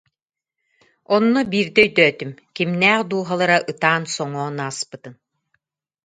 Онно биирдэ өйдөөтүм, кимнээх дууһалара ытаан-соҥоон ааспытын